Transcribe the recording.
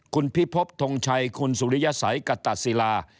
คุณพิพบทงชัยคุณสุริยสัยกตะศิลา